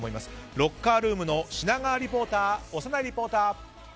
ロッカールームの品川リポーター小山内リポーター。